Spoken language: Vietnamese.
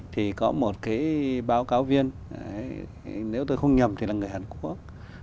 thì có một cái báo cáo viên nếu tôi không nhập thì là người hàn quốc